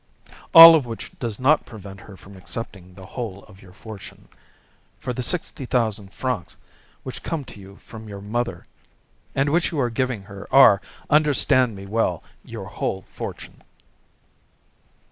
"All of which does not prevent her from accepting the whole of your fortune, for the sixty thousand francs which come to you from your mother, and which you are giving her, are, understand me well, your whole fortune."